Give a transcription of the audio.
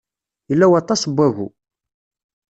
Yella waṭas n wagu.